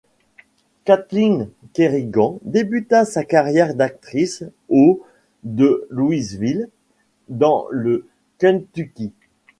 Kathleen Kerrigan débuta sa carrière d'actrice au de Louisville, dans le Kentucky.